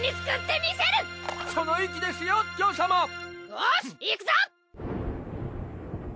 よしいくぞ！